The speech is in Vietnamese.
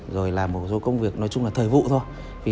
rồi là một số công việc nói chung là thời vụ thôi